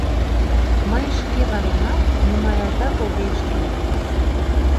Мый шке варемат, нимаятак огеш кӱ.